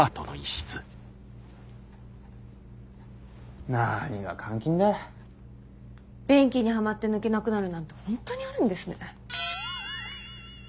便器にはまって抜けなくなるなんて本当にあるんですね。